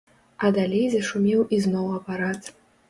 А далей зашумеў ізноў апарат.